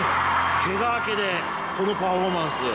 けが明けでこのパフォーマンス。